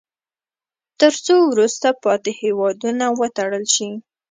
تر څو وروسته پاتې هیوادونه وتړل شي.